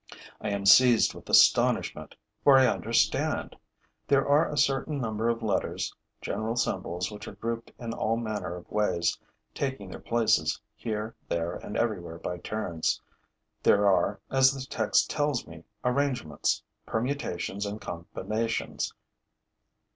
I am seized with astonishment, for I understand! There are a certain number of letters, general symbols which are grouped in all manner of ways, taking their places here, there and elsewhere by turns; there are, as the text tells me, arrangements, permutations and combinations.